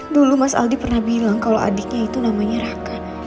dulu mas aldi pernah bilang kalau adiknya itu namanya raka